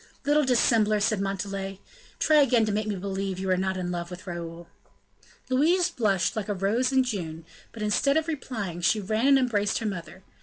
"Little dissembler!" said Montalais, "try again to make me believe you are not in love with Raoul." Louise blushed like a rose in June, but instead of replying, she ran and embraced her mother.